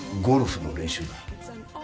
ゴルフの練習だ。